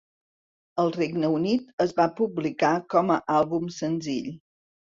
Al Regne Unit es va publicar com a àlbum senzill.